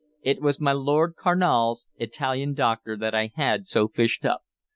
It was my Lord Carnal's Italian doctor that I had so fished up.